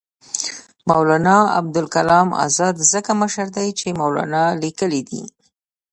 مولنا ابوالکلام آزاد ځکه مشر دی چې مولنا لیکلی دی.